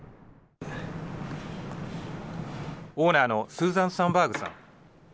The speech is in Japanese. オーナーのスーザン・サンバーグさん。